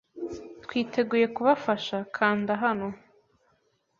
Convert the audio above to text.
twiteguye kubafasha kanda hano.